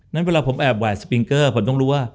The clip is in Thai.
นั้นเวลาผมแอบไหว้สปริงเกอร์ผมต้องรู้ว่า